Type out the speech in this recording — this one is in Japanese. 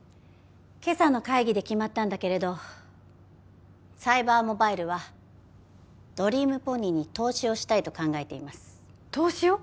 けさの会議で決まったんだけれどサイバーモバイルはドリームポニーに投資をしたいと考えています投資を？